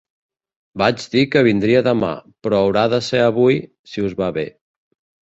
Vaig dir que vindria demà però haurà de ser avui, si us va bé.